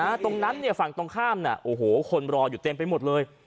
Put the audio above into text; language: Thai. ตรงนั้นเนี่ยฝั่งตรงข้ามน่ะโอ้โหคนรออยู่เต็มไปหมดเลย